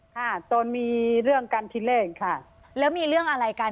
ค่ะตอนมีเรื่องกันที่แรกค่ะแล้วมีเรื่องอะไรกัน